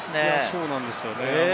そうなんですよね。